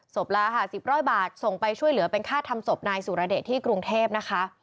ละค่ะ๑๐๐บาทส่งไปช่วยเหลือเป็นค่าทำศพนายสุรเดชที่กรุงเทพนะคะ